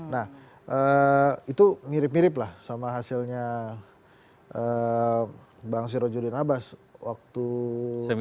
nah itu mirip mirip lah sama hasilnya bang sirojuri nabas waktu tertutup